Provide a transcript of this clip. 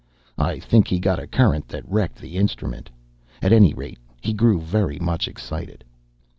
I think he got a current that wrecked the instrument. At any rate, he grew very much excited.